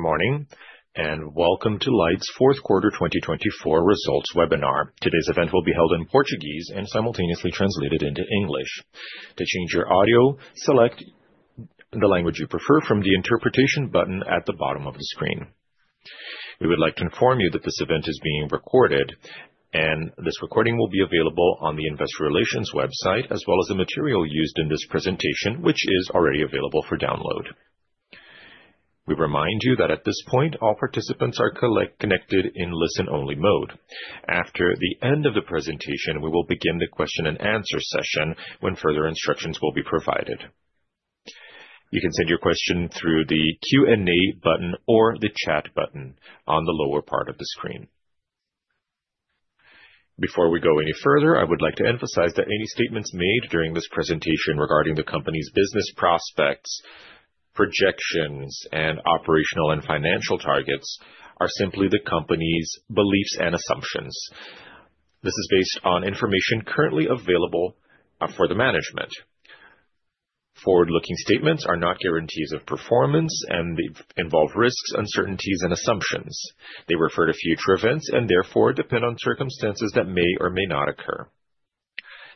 Good morning, and welcome to Light's Fourth Quarter 2024 Results Webinar. Today's event will be held in Portuguese and simultaneously translated into English. To change your audio, select the language you prefer from the Interpretation button at the bottom of the screen. We would like to inform you that this event is being recorded, and this recording will be available on the Investor Relations website, as well as the material used in this presentation, which is already available for download. We remind you that at this point, all participants are connected in listen-only mode. After the end of the presentation, we will begin the question-and-answer session when further instructions will be provided. You can send your question through the Q&A button or the chat button on the lower part of the screen. Before we go any further, I would like to emphasize that any statements made during this presentation regarding the company's business prospects, projections, and operational and financial targets are simply the company's beliefs and assumptions. This is based on information currently available for the management. Forward-looking statements are not guarantees of performance, and they involve risks, uncertainties, and assumptions. They refer to future events and therefore depend on circumstances that may or may not occur.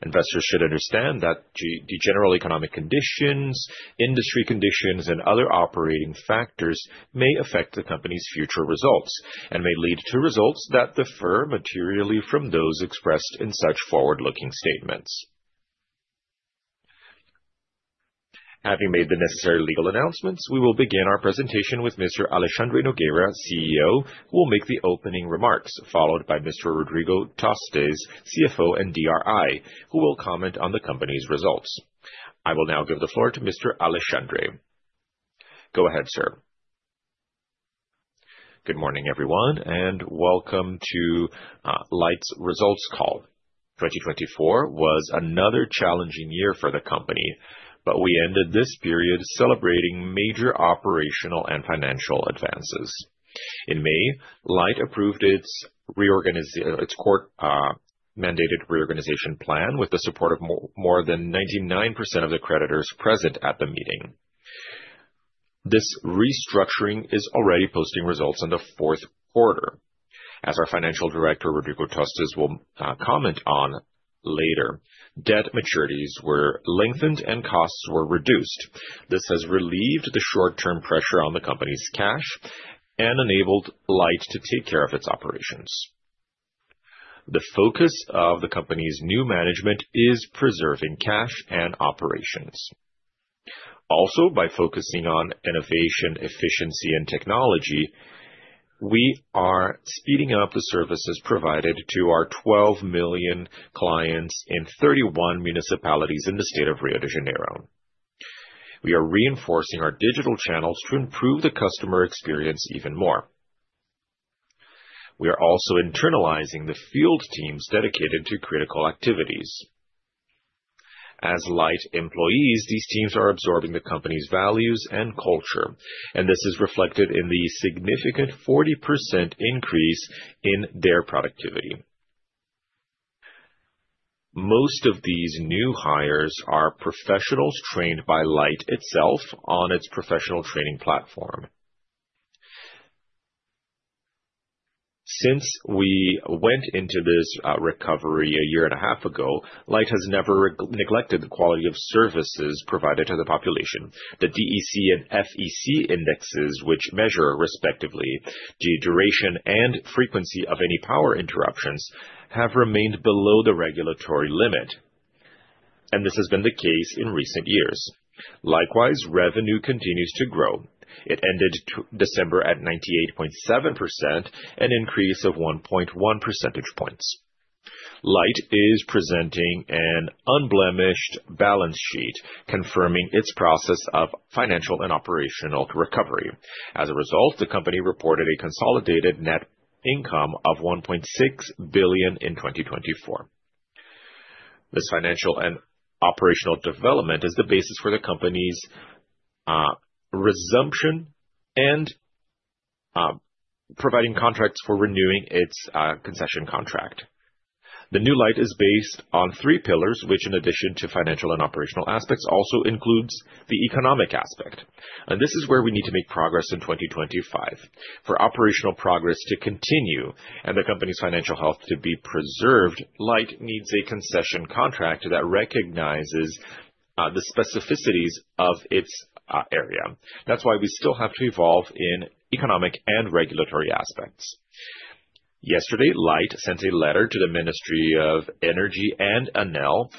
Investors should understand that the general economic conditions, industry conditions, and other operating factors may affect the company's future results and may lead to results that differ materially from those expressed in such forward-looking statements. Having made the necessary legal announcements, we will begin our presentation with Mr. Alexandre Nogueira, CEO, who will make the opening remarks, followed by Mr. Rodrigo Tostes, CFO and DRI, who will comment on the company's results. I will now give the floor to Mr. Alexandre. Go ahead, sir. Good morning, everyone, and welcome to Light's Results Call. 2024 was another challenging year for the company, but we ended this period celebrating major operational and financial advances. In May, Light approved its mandated reorganization plan with the support of more than 99% of the creditors present at the meeting. This restructuring is already posting results in the fourth quarter. As our Financial Director, Rodrigo Tostes, will comment on later, debt maturities were lengthened and costs were reduced. This has relieved the short-term pressure on the company's cash and enabled Light to take care of its operations. The focus of the company's new management is preserving cash and operations. Also, by focusing on innovation, efficiency, and technology, we are speeding up the services provided to our 12 million clients in 31 municipalities in the state of Rio de Janeiro. We are reinforcing our digital channels to improve the customer experience even more. We are also internalizing the field teams dedicated to critical activities. As Light employees, these teams are absorbing the company's values and culture, and this is reflected in the significant 40% increase in their productivity. Most of these new hires are professionals trained by Light itself on its professional training platform. Since we went into this recovery a year and a half ago, Light has never neglected the quality of services provided to the population. The DEC and FEC indexes, which measure respectively the duration and frequency of any power interruptions, have remained below the regulatory limit, and this has been the case in recent years. Likewise, revenue continues to grow. It ended December at 98.7%, an increase of 1.1 percentage points. Light is presenting an unblemished balance sheet confirming its process of financial and operational recovery. As a result, the company reported a consolidated net income of 1.6 billion in 2024. This financial and operational development is the basis for the company's resumption and providing contracts for renewing its concession contract. The new Light is based on three pillars, which, in addition to financial and operational aspects, also includes the economic aspect. This is where we need to make progress in 2025. For operational progress to continue and the company's financial health to be preserved, Light needs a concession contract that recognizes the specificities of its area. That is why we still have to evolve in economic and regulatory aspects. Yesterday, Light sent a letter to the Ministry of Mines and Energy and ANEEL,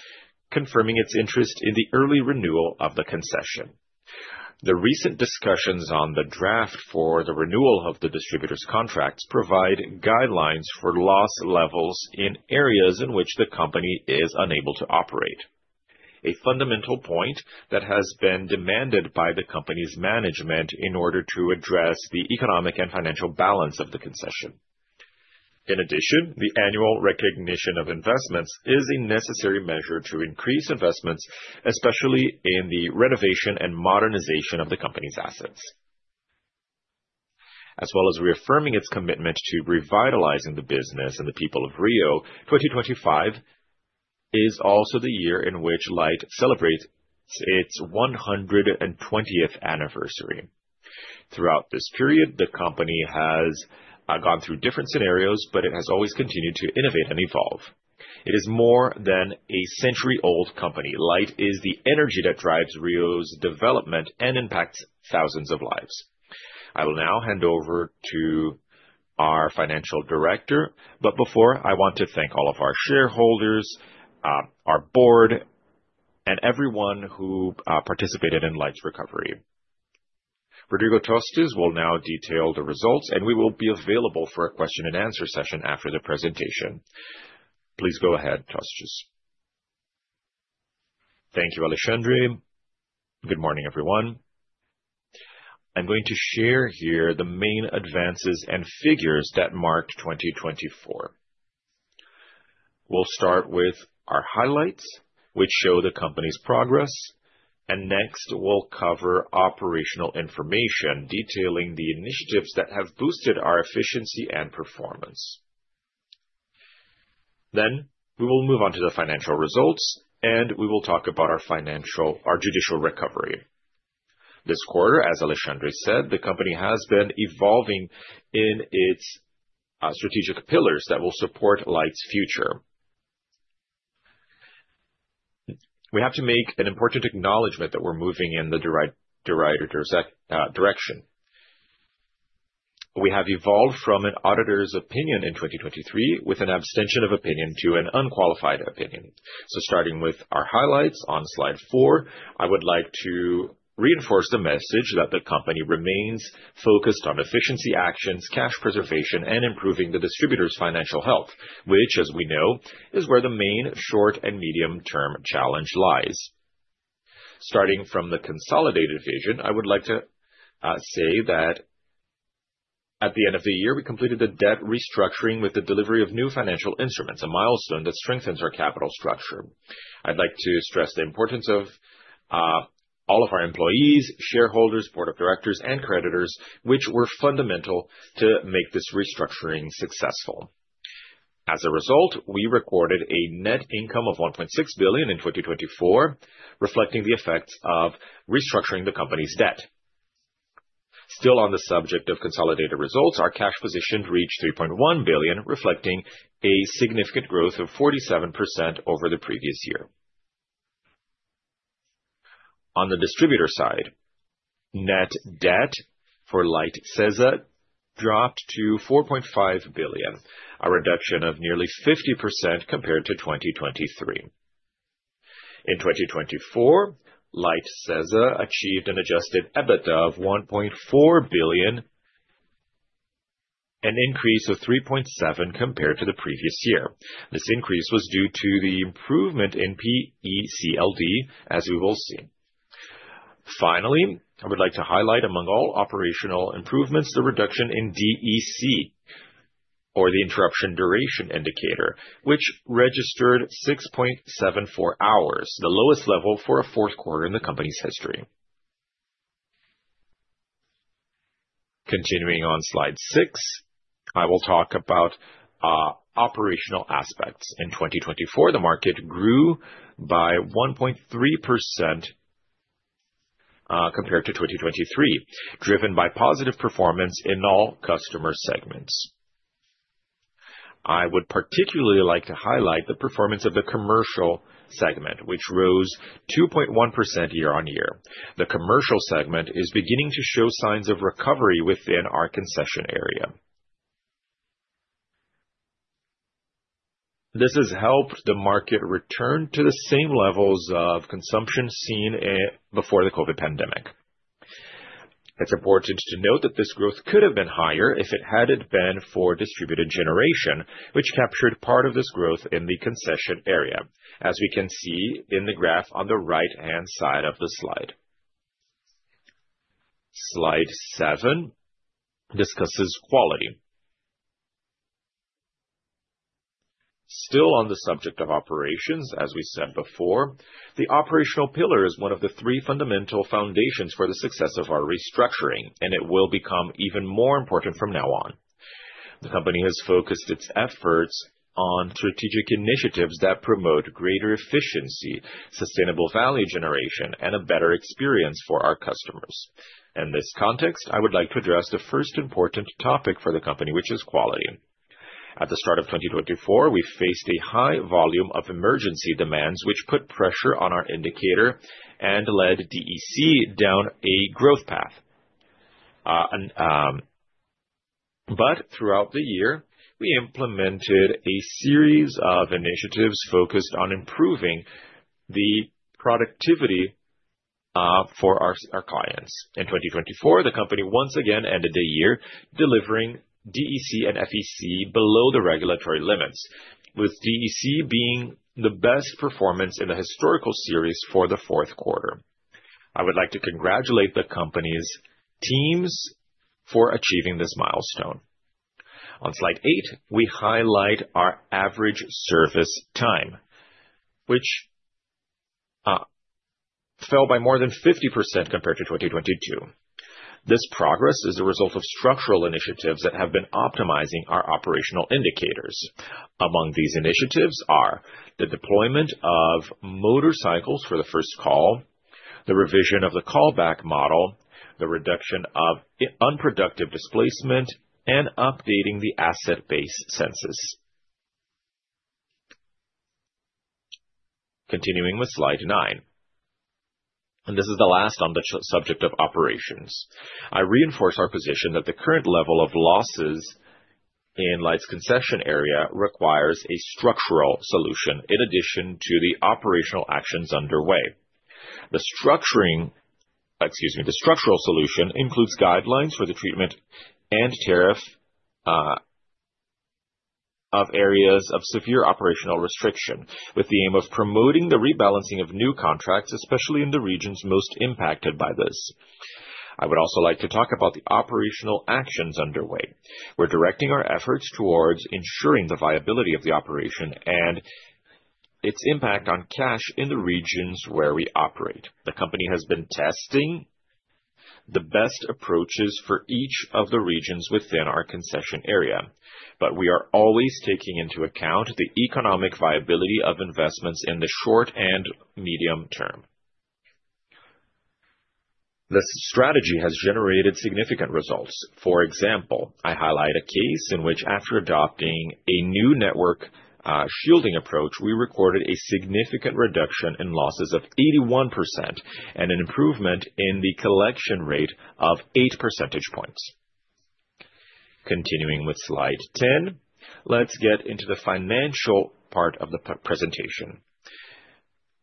confirming its interest in the early renewal of the concession. The recent discussions on the draft for the renewal of the distributor's contracts provide guidelines for loss levels in areas in which the company is unable to operate. A fundamental point that has been demanded by the company's management in order to address the economic and financial balance of the concession. In addition, the annual recognition of investments is a necessary measure to increase investments, especially in the renovation and modernization of the company's assets. As well as reaffirming its commitment to revitalizing the business and the people of Rio, 2025 is also the year in which Light celebrates its 120th anniversary. Throughout this period, the company has gone through different scenarios, but it has always continued to innovate and evolve. It is more than a century-old company. Light is the energy that drives Rio's development and impacts thousands of lives. I will now hand over to our Financial Director, but before, I want to thank all of our shareholders, our board, and everyone who participated in Light's recovery. Rodrigo Tostes will now detail the results, and we will be available for a question-and-answer session after the presentation. Please go ahead, Tostes. Thank you, Alexandre. Good morning, everyone. I'm going to share here the main advances and figures that marked 2024. We'll start with our highlights, which show the company's progress, and next, we'll cover operational information detailing the initiatives that have boosted our efficiency and performance. Next, we will move on to the financial results, and we will talk about our judicial recovery. This quarter, as Alexandre said, the company has been evolving in its strategic pillars that will support Light's future. We have to make an important acknowledgment that we're moving in the right direction. We have evolved from an auditor's opinion in 2023 with an abstention of opinion to an unqualified opinion. Starting with our highlights on slide four, I would like to reinforce the message that the company remains focused on efficiency actions, cash preservation, and improving the distributor's financial health, which, as we know, is where the main short and medium-term challenge lies. Starting from the consolidated vision, I would like to say that at the end of the year, we completed the debt restructuring with the delivery of new financial instruments, a milestone that strengthens our capital structure. I would like to stress the importance of all of our employees, shareholders, board of directors, and creditors, which were fundamental to make this restructuring successful. As a result, we recorded a net income of 1.6 billion in 2024, reflecting the effects of restructuring the company's debt. Still on the subject of consolidated results, our cash position reached 3.1 billion, reflecting a significant growth of 47% over the previous year. On the distributor side, net debt for Light SESA dropped to 4.5 billion, a reduction of nearly 50% compared to 2023. In 2024, Light SESA achieved an adjusted EBITDA of 1.4 billion, an increase of 3.7 million compared to the previous year. This increase was due to the improvement in PECLD, as we've all seen. Finally, I would like to highlight, among all operational improvements, the reduction in DEC, or the interruption duration indicator, which registered 6.74 hours, the lowest level for a fourth quarter in the company's history. Continuing on slide six, I will talk about operational aspects. In 2024, the market grew by 1.3% compared to 2023, driven by positive performance in all customer segments. I would particularly like to highlight the performance of the commercial segment, which rose 2.1% year-on-year. The commercial segment is beginning to show signs of recovery within our concession area. This has helped the market return to the same levels of consumption seen before the COVID pandemic. It's important to note that this growth could have been higher if it hadn't been for distributed generation, which captured part of this growth in the concession area, as we can see in the graph on the right-hand side of the slide. Slide seven discusses quality. Still on the subject of operations, as we said before, the operational pillar is one of the three fundamental foundations for the success of our restructuring, and it will become even more important from now on. The company has focused its efforts on strategic initiatives that promote greater efficiency, sustainable value generation, and a better experience for our customers. In this context, I would like to address the first important topic for the company, which is quality. At the start of 2024, we faced a high volume of emergency demands, which put pressure on our indicator and led DEC down a growth path. Throughout the year, we implemented a series of initiatives focused on improving the productivity for our clients. In 2024, the company once again ended the year delivering DEC and FEC below the regulatory limits, with DEC being the best performance in the historical series for the fourth quarter. I would like to congratulate the company's teams for achieving this milestone. On slide eight, we highlight our average service time, which fell by more than 50% compared to 2022. This progress is a result of structural initiatives that have been optimizing our operational indicators. Among these initiatives are the deployment of motorcycles for the first call, the revision of the callback model, the reduction of unproductive displacement, and updating the asset-based census. Continuing with slide nine, and this is the last on the subject of operations. I reinforce our position that the current level of losses in Light's concession area requires a structural solution in addition to the operational actions underway. The structural solution includes guidelines for the treatment and tariff of areas of severe operational restriction, with the aim of promoting the rebalancing of new contracts, especially in the regions most impacted by this. I would also like to talk about the operational actions underway. We're directing our efforts towards ensuring the viability of the operation and its impact on cash in the regions where we operate. The company has been testing the best approaches for each of the regions within our concession area, but we are always taking into account the economic viability of investments in the short and medium term. This strategy has generated significant results. For example, I highlight a case in which, after adopting a new network shielding approach, we recorded a significant reduction in losses of 81% and an improvement in the collection rate of 8 percentage points. Continuing with slide 10, let's get into the financial part of the presentation.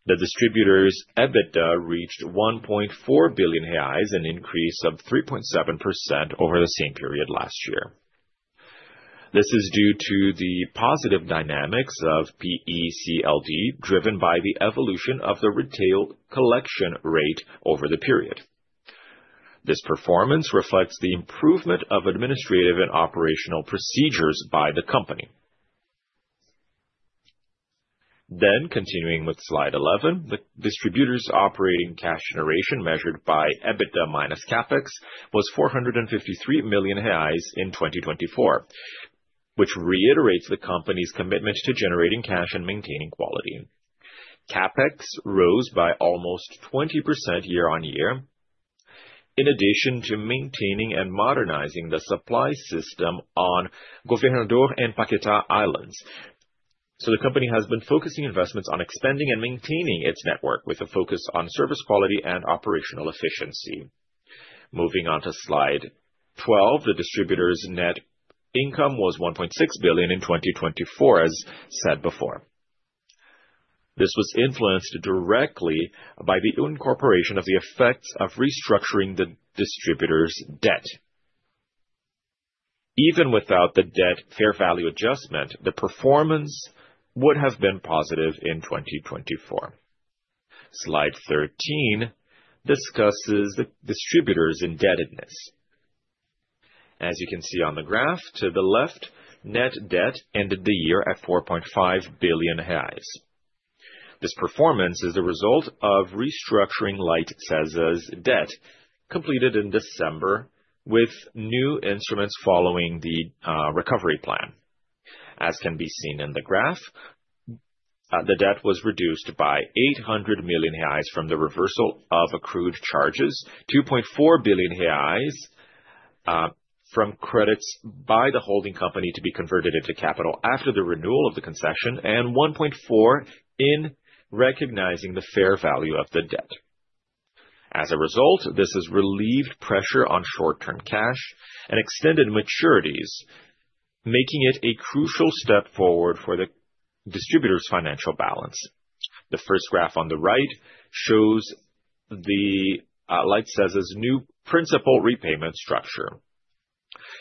The distributor's EBITDA reached 1.4 billion reais in an increase of 3.7% over the same period last year. This is due to the positive dynamics of PECLD driven by the evolution of the retail collection rate over the period. This performance reflects the improvement of administrative and operational procedures by the company. Continuing with slide 11, the distributor's operating cash generation measured by EBITDA minus CAPEX was 453 million reais in 2024, which reiterates the company's commitment to generating cash and maintaining quality. CAPEX rose by almost 20% year-on-year, in addition to maintaining and modernizing the supply system on Governador and Paquetá Islands. The company has been focusing investments on expanding and maintaining its network, with a focus on service quality and operational efficiency. Moving on to slide 12, the distributor's net income was 1.6 billion in 2024, as said before. This was influenced directly by the incorporation of the effects of restructuring the distributor's debt. Even without the debt fair value adjustment, the performance would have been positive in 2024. Slide 13 discusses the distributor's indebtedness. As you can see on the graph to the left, net debt ended the year at 4.5 billion reais. This performance is the result of restructuring Light SESA's debt completed in December with new instruments following the recovery plan. As can be seen in the graph, the debt was reduced by 800 million reais from the reversal of accrued charges, 2.4 billion reais from credits by the holding company to be converted into capital after the renewal of the concession, and 1.4 billion in recognizing the fair value of the debt. As a result, this has relieved pressure on short-term cash and extended maturities, making it a crucial step forward for the distributor's financial balance. The first graph on the right shows Light SESA's new principal repayment structure.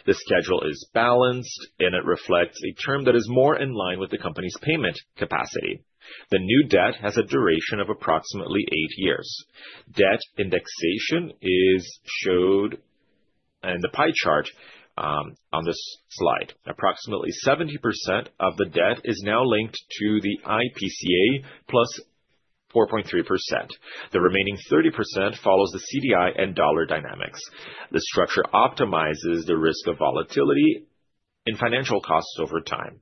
The schedule is balanced, and it reflects a term that is more in line with the company's payment capacity. The new debt has a duration of approximately eight years. Debt indexation is shown in the pie chart on this slide. Approximately 70% of the debt is now linked to the IPCA plus 4.3%. The remaining 30% follows the CDI and dollar dynamics. The structure optimizes the risk of volatility in financial costs over time.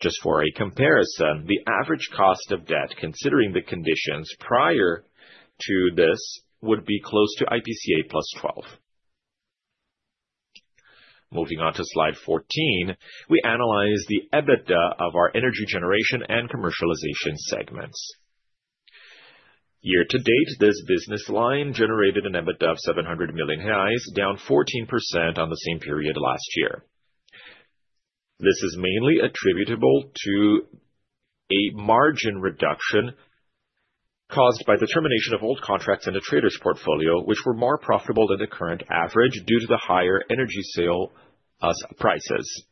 Just for a comparison, the average cost of debt, considering the conditions prior to this, would be close to IPCA plus 12. Moving on to slide 14, we analyze the EBITDA of our energy generation and commercialization segments. Year to date, this business line generated an EBITDA of 700 million reais, down 14% on the same period last year. This is mainly attributable to a margin reduction caused by the termination of old contracts in the trader's portfolio, which were more profitable than the current average due to the higher energy sale prices.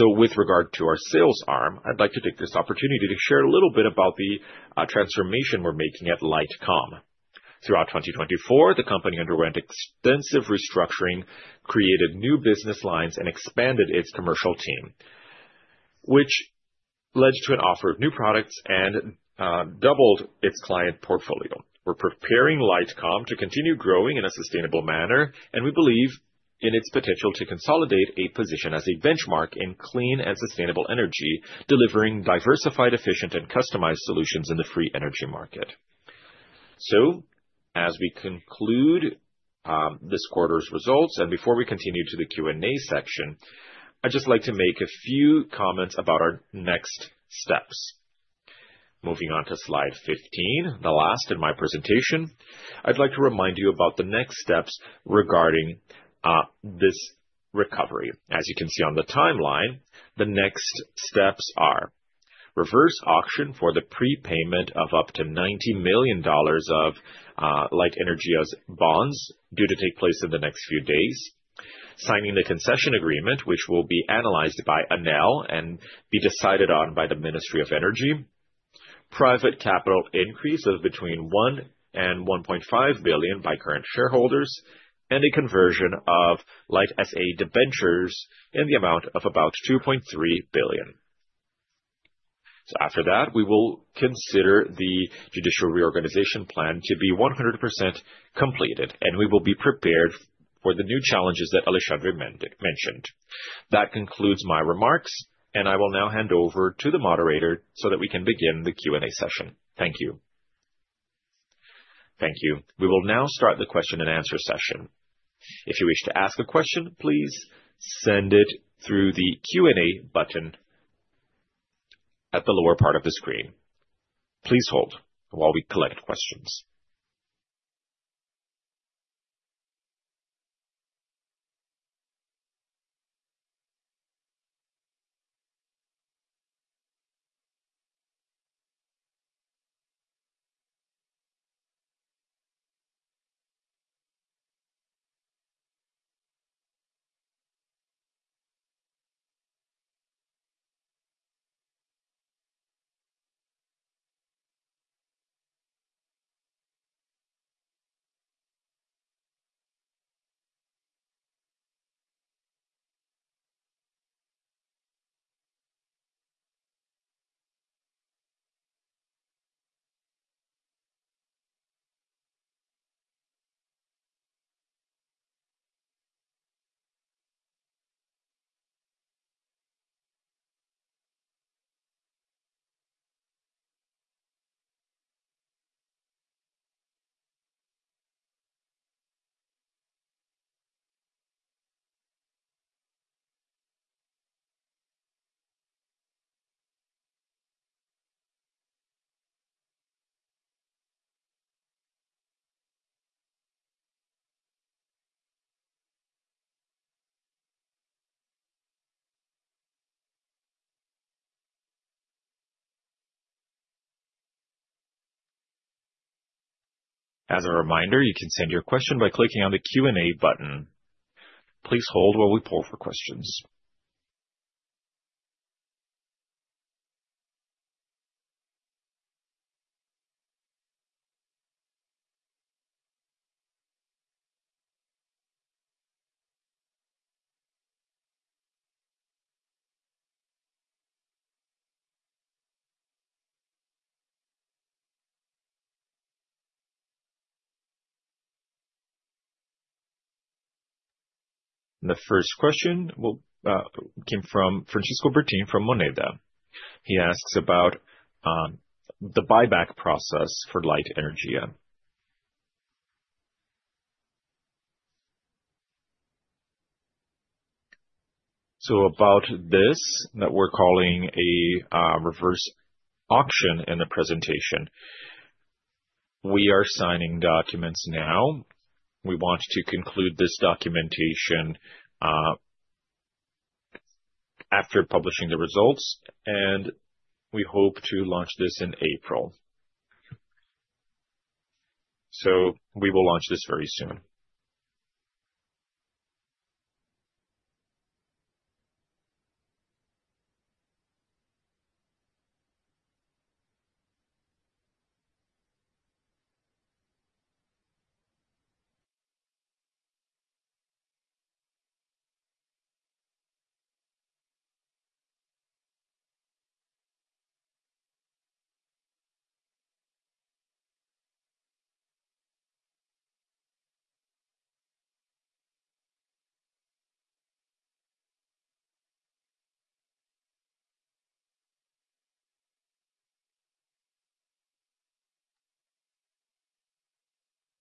With regard to our sales arm, I'd like to take this opportunity to share a little bit about the transformation we're making at LightCom. Throughout 2024, the company underwent extensive restructuring, created new business lines, and expanded its commercial team, which led to an offer of new products and doubled its client portfolio. We're preparing LightCom to continue growing in a sustainable manner, and we believe in its potential to consolidate a position as a benchmark in clean and sustainable energy, delivering diversified, efficient, and customized solutions in the free energy market. As we conclude this quarter's results, and before we continue to the Q&A section, I'd just like to make a few comments about our next steps. Moving on to slide 15, the last in my presentation, I'd like to remind you about the next steps regarding this recovery. As you can see on the timeline, the next steps are reverse auction for the prepayment of up to $90 million of Light Energia's bonds due to take place in the next few days, signing the concession agreement, which will be analyzed by ANEEL and be decided on by the Ministry of Mines and Energy, private capital increase of between 1 billion and 1.5 billion by current shareholders, and a conversion of Light S.A. to Debentures in the amount of about 2.3 billion. After that, we will consider the judicial reorganization plan to be 100% completed, and we will be prepared for the new challenges that Alexandre mentioned. That concludes my remarks, and I will now hand over to the moderator so that we can begin the Q&A session. Thank you. Thank you. We will now start the question-and-answer session. If you wish to ask a question, please send it through the Q&A button at the lower part of the screen. Please hold while we collect questions. As a reminder, you can send your question by clicking on the Q&A button. Please hold while we pull for questions. The first question came from Francisco Breton from Moneda. He asks about the buyback process for Light Energia. About this that we're calling a reverse auction in the presentation. We are signing documents now. We want to conclude this documentation after publishing the results, and we hope to launch this in April. We will launch this very soon.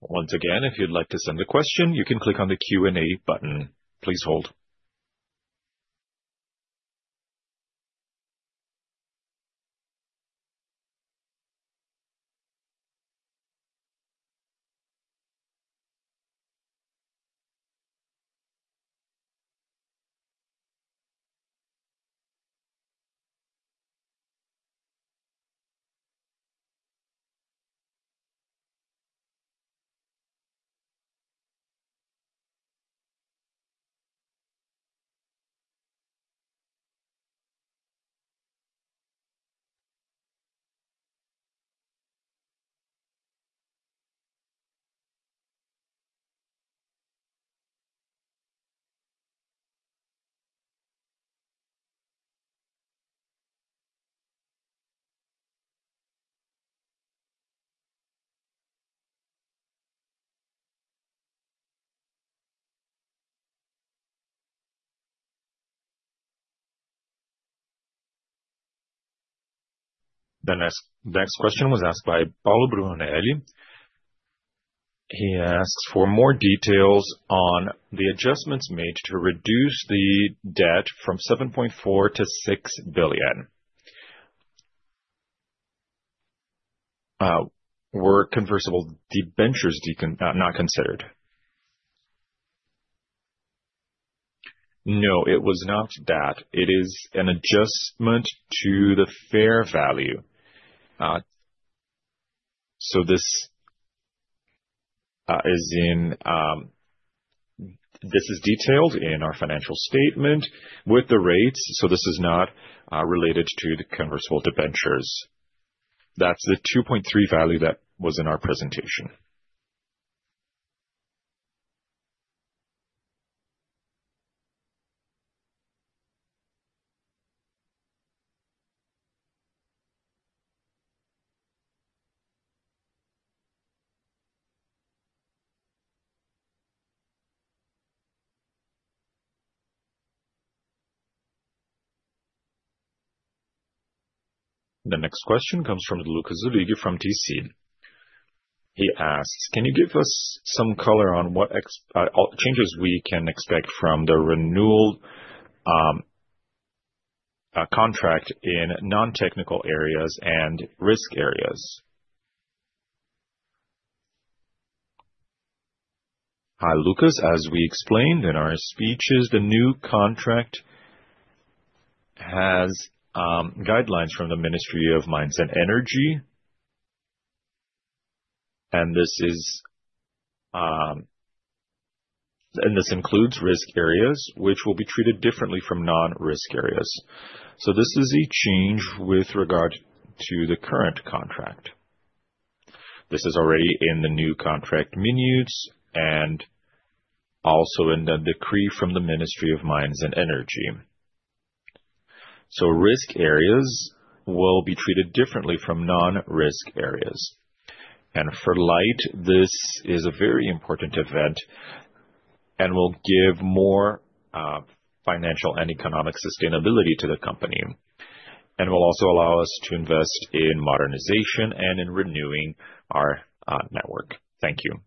Once again, if you'd like to send a question, you can click on the Q&A button. Please hold. The next question was asked by Paulo Brunelli. He asks for more details on the adjustments made to reduce the debt from 7.4 billion to 6 billion. Were convertible debentures not considered? No, it was not that. It is an adjustment to the fair value. This is detailed in our financial statement with the rates. This is not related to the convertible debentures. That is the 2.3 billion value that was in our presentation. The next question comes from Luca Zúñiga from TC. He asks, can you give us some color on what changes we can expect from the renewal contract in non-technical areas and risk areas? Hi, Luca. As we explained in our speeches, the new contract has guidelines from the Ministry of Mines and Energy, and this includes risk areas, which will be treated differently from non-risk areas. This is a change with regard to the current contract. This is already in the new contract minutes and also in the decree from the Ministry of Mines and Energy. Risk areas will be treated differently from non-risk areas. For Light, this is a very important event and will give more financial and economic sustainability to the company. It will also allow us to invest in modernization and in renewing our network. Thank you.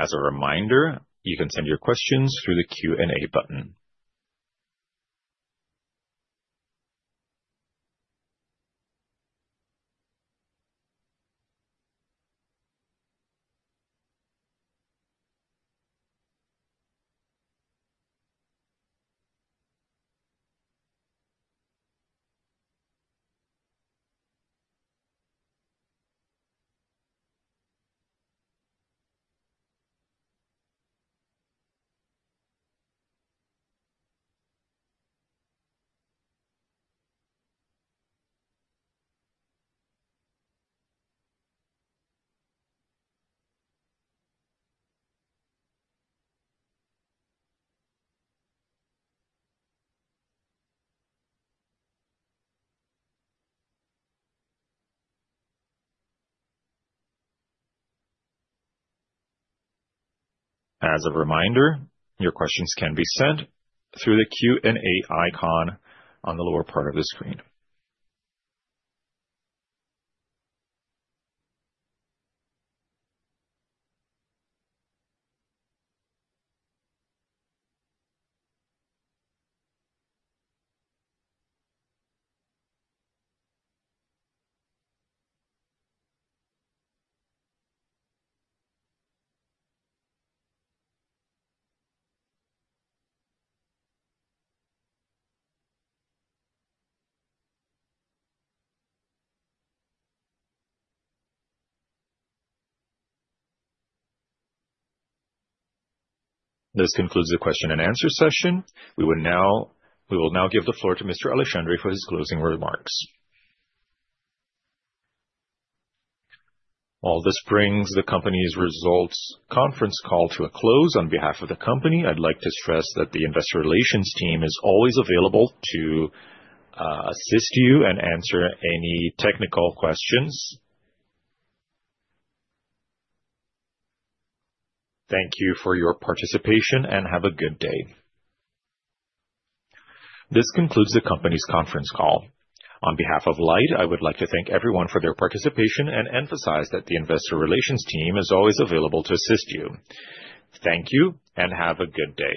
As a reminder, you can send your questions through the Q&A button. As a reminder, your questions can be sent through the Q&A icon on the lower part of the screen. This concludes the question-and-answer session. We will now give the floor to Mr. Alexandre for his closing remarks. While this brings the company's results conference call to a close, on behalf of the company, I'd like to stress that the investor relations team is always available to assist you and answer any technical questions. Thank you for your participation and have a good day. This concludes the company's conference call. On behalf of Light, I would like to thank everyone for their participation and emphasize that the investor relations team is always available to assist you. Thank you and have a good day.